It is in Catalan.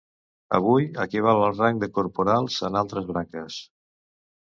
Avui equival al rang de corporals en altres branques.